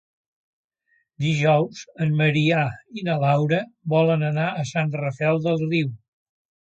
Dijous en Maria i na Laura volen anar a Sant Rafel del Riu.